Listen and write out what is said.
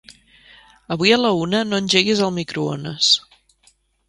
Avui a la una no engeguis el microones.